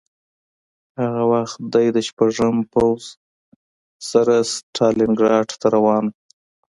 هغه وخت دی د شپږم پوځ سره ستالینګراډ ته روان و